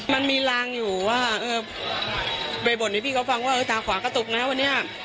มันมีรางอยู่ว่าไปบ่นให้พี่เขาฟังว่าตาขวากระตุกนะวันนี้